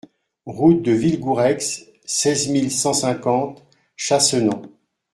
Route de Villegoureix, seize mille cent cinquante Chassenon